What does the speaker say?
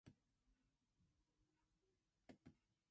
Wheatfield Elementary School is located in and serves Wheatfield.